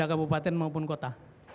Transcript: dari kabupaten maupun kota